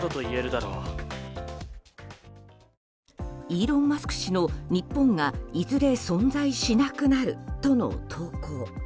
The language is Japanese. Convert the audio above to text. イーロン・マスク氏の、日本がいずれ存在しなくなるとの投稿。